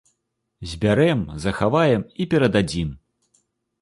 Збярэм, захаваем і перададзім!